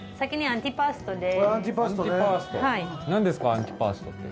アンティパストって。